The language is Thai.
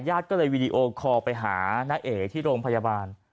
ญาติก็เลยวีดีโอคอลไปหาน้าเอ๋ที่โรงพยาบาล